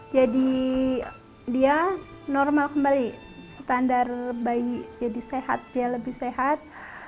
jadi dia normal kembali standar bayi jadi sehat dia lebih sehat